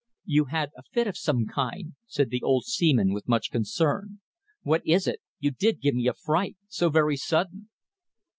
"You had a fit of some kind," said the old seaman with much concern. "What is it? You did give me a fright. So very sudden."